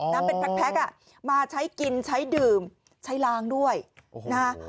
น้ำเป็นแพ็คอ่ะมาใช้กินใช้ดื่มใช้ล้างด้วยนะฮะ